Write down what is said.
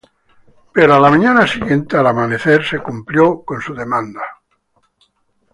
Pero a la mañana siguiente, al amanecer, se cumplió con su demanda.